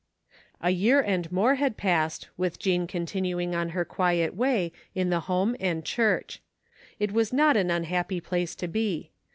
A year and more had passed with Jean continuing on her quiet way in the home and church. It was not an unhappy place to be.